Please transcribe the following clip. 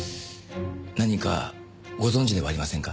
何かご存じではありませんか？